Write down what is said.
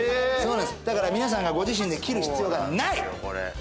だから皆さんがご自身で切る必要がない。